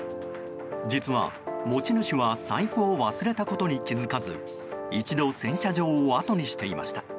実は、持ち主は財布を忘れたことに気づかず一度、洗車場をあとにしていました。